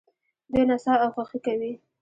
دوی نڅا او خوښي کوي.